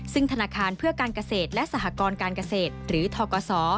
ซึ่งธนาคารเพื่อการเกษตรและสหกรการเกษตรหรือทกศ